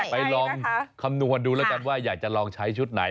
ไปลองคำนวณดูแล้วกันว่าอยากจะลองใช้ชุดไหน